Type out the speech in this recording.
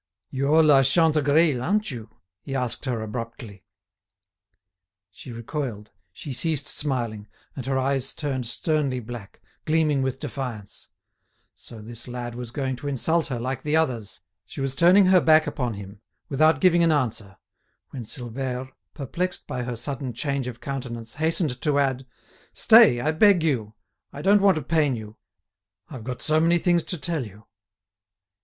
"You're La Chantegreil, aren't you?" he asked her, abruptly. She recoiled, she ceased smiling, and her eyes turned sternly black, gleaming with defiance. So this lad was going to insult her, like the others! She was turning her back upon him, without giving an answer, when Silvère, perplexed by her sudden change of countenance, hastened to add: "Stay, I beg you—I don't want to pain you—I've got so many things to tell you!"